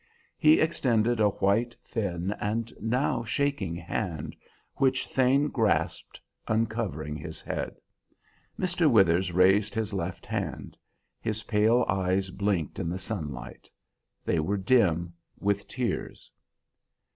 He extended a white, thin, and now shaking hand, which Thane grasped, uncovering his head. Mr. Withers raised his left hand; his pale eyes blinked in the sunlight; they were dim with tears.